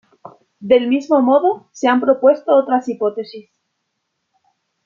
Del mismo modo se han propuesto otras hipótesis.